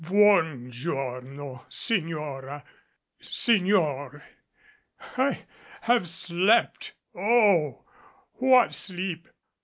"Bon giorno, Signora Signor. I have slept oh, what sleep!